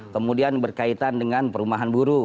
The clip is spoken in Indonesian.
kemudian berkaitan dengan perumahan buruh